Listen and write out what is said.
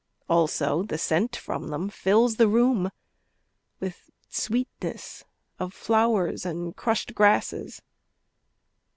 Also the scent from them fills the room With sweetness of flowers and crushed grasses.